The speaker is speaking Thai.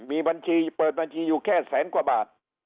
มีบัญชีเปิดบัญชีอยู่แค่แสนกว่าบาท